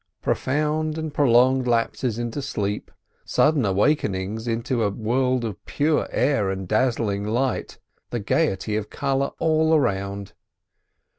Profound and prolonged lapses into sleep; sudden awakenings into a world of pure air and dazzling light, the gaiety of colour all round.